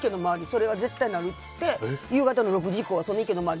それが絶対なるっていうて夕方の６時以降はその池の周り